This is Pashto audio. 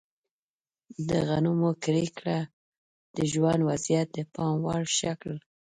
د غنمو کرکیله د ژوند وضعیت د پام وړ ښه کړ.